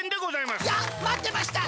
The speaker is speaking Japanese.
まってました！